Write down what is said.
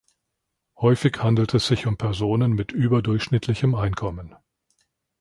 Häufig handelt es sich um Personen mit überdurchschnittlichem Einkommen.